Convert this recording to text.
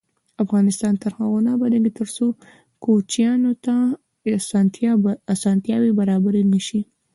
افغانستان تر هغو نه ابادیږي، ترڅو کوچیانو ته اسانتیاوې برابرې نشي.